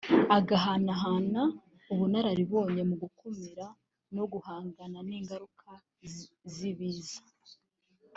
agahanahana ubunararibonye mu gukumira no guhangana n’ingaruka z’ibiza